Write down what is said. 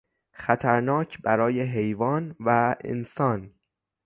خطرناک برای حیوان و انسان